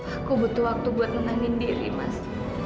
aku butuh waktu buat nenangin diri mas